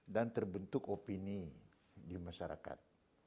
dan terbentuk opini di masyarakat